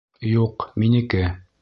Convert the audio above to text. Юҡ, минеке!